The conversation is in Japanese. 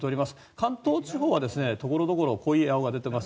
関東地方はところどころ濃い青色が出ています。